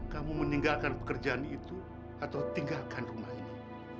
kamu meninggalkan pekerjaan itu atau tinggalkan rumah ini